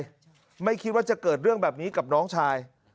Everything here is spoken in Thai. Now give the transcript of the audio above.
เจ้าก็คิดจะเกิดเรื่องแบบนี้กับน้องชาย